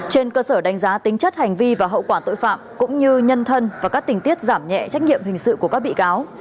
trên cơ sở đánh giá tính chất hành vi và hậu quả tội phạm cũng như nhân thân và các tình tiết giảm nhẹ trách nhiệm hình sự của các bị cáo